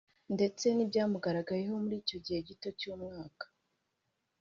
ndetse n’ibyamugaragayeho muri icyo gihe gito cy’umwaka